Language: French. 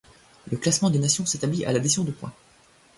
Le classement des nations s'établit à l'addition de points.